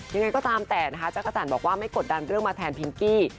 ยังไงก็ตามแต่นะคะจักรจันทร์บอกว่าไม่กดดันเรื่องมาแทนพิงกี้